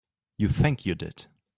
You think you did.